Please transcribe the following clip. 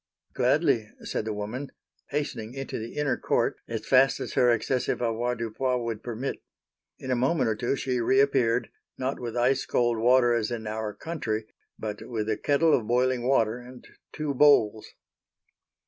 "Gladly," said the woman, hastening into the inner court as fast as her excessive avoirdupois would permit. In a moment or two she reappeared, not with ice cold water as in our country, but with a kettle of boiling water and two bowls.